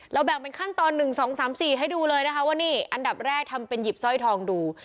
แบ่งเป็นขั้นตอน๑๒๓๔ให้ดูเลยนะคะว่านี่อันดับแรกทำเป็นหยิบสร้อยทองดู